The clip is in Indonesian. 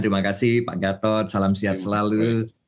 terima kasih pak gatot salam sehat selalu